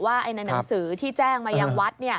ในหนังสือที่แจ้งมายังวัด